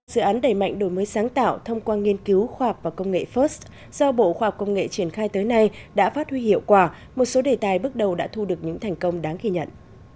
dự án đẩy mạnh đổi mới sáng tạo thông qua nghiên cứu khoa học và công nghệ first do bộ khoa học công nghệ triển khai tới nay đã phát huy hiệu quả một số đề tài bước đầu đã thu được những thành công đáng ghi nhận